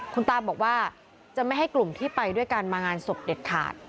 คุณตาบอกว่าจะไม่ให้กลุ่มที่ไปด้วยกันมางานศพเด็ดขาด